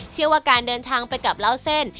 เชื่อว่าการเดินทางไปกับเล่าเส้น